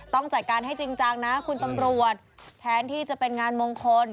ต้องจัดการให้จริงจังนะคุณตำรวจแทนที่จะเป็นงานมงคล